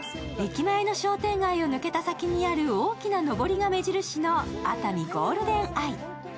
駅前の商店街を抜けた先にある大きなのぼりが目印の熱海ゴールデンアイ。